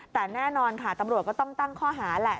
แต่แน่นอนค่ะตำรวจก็ต้องตั้งข้อหาแหละ